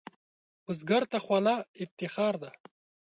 بزګر ته خوله افتخار ده